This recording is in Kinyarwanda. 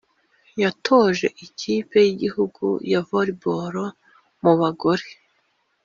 yatoje ikipe y’igihugu ya Volleyball mu bagore